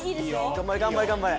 頑張れ頑張れ頑張れ。